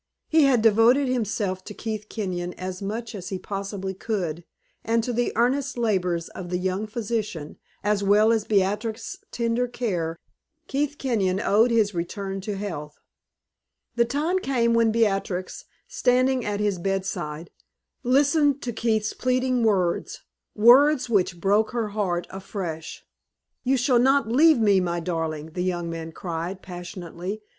He had devoted himself to Keith Kenyon as much as he possibly could, and to the earnest labors of the young physician, as well as Beatrix's tender care, Keith Kenyon owed his return to health. The time came when Beatrix, standing at his bedside, listened to Keith's pleading words words which broke her heart afresh. "You shall not leave me, my darling!" the young man cried, passionately.